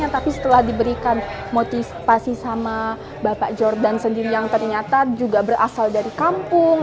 tapi setelah diberikan motivasi sama bapak jordan sendiri yang ternyata juga berasal dari kampung